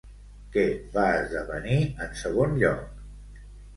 Què va esdevenir en segon lloc?